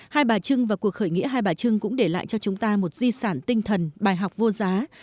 hai bà trưng và cuộc khởi nghĩa hai bà trưng cũng để lại cho chúng ta một di sản tinh thần bài học vô giá